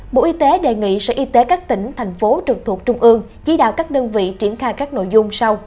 bộ y tế đề nghị sở y tế các tỉnh thành phố trực thuộc trung ương chỉ đạo các đơn vị triển khai các nội dung sau